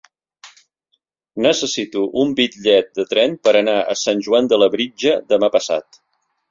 Necessito un bitllet de tren per anar a Sant Joan de Labritja demà passat.